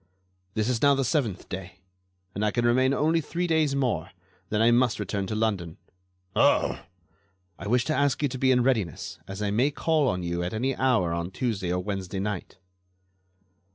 "This is now the seventh day, and I can remain only three days more. Then I must return to London." "Oh!" "I wish to ask you to be in readiness, as I may call on you at any hour on Tuesday or Wednesday night."